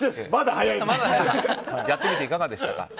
やってみていかがでしょうか？